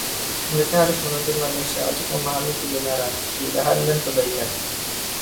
Mereka harus menuntun manusia untuk memahami kebenaran, keindahan dan kebaikan.